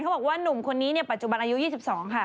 เขาบอกว่านุ่มคนนี้ปัจจุบันอายุ๒๒ค่ะ